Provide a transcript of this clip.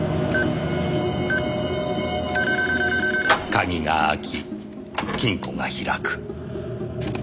鍵が開き金庫が開く。